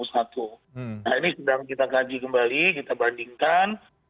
nah ini sedang kita kaji kembali kita bandingkan